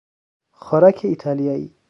خوراک ایتالیایی